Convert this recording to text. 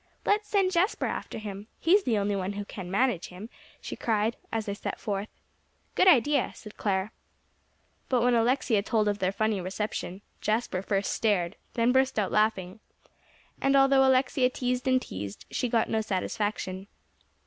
"Let's send Jasper after him; he's the only one who can manage him," she cried, as they set forth. "Good idea," said Clare. But when Alexia told of their funny reception, Jasper first stared, then burst out laughing. And although Alexia teased and teased, she got no satisfaction.